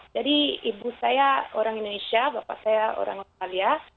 jadi ibu saya orang indonesia bapak saya orang australia